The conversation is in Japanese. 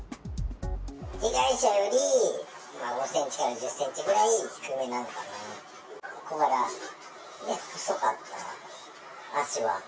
被害者より５センチから１０センチぐらい低めな、小柄、で、細かった、足は。